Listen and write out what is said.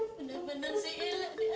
bener bener sih ilah dia